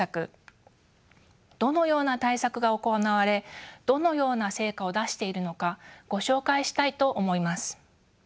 どのような対策が行われどのような成果を出しているのかご紹介したいと思います。